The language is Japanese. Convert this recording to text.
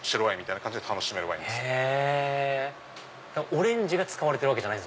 オレンジが使われてるわけじゃない。